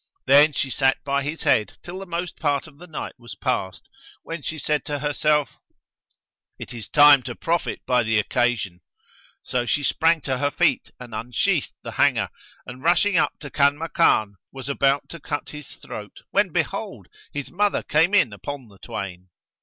Then she sat by his head till the most part of the night was past, when she said to herself, "It is time to profit by the occasion." So she sprang to her feet and unsheathed the hanger and rushing up to Kanmakan, was about to cut his throat when behold, his mother came in upon the twain.